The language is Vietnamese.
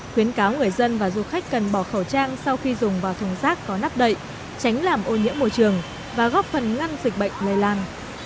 khuyến cáo người dân và du khách cần bỏ khẩu trang sau khi dùng vào thùng rác có nắp đậy tránh làm ô nhiễm môi trường và góp phần ngăn dịch bệnh lây lan